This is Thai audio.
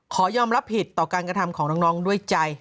ขอยอมรับผิดต่อการกระทำของน้องด้วยใจ